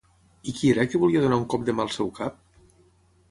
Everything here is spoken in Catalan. I qui era que volia donar un cop de mà al seu cap?